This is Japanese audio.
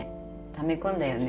ため込んだよね。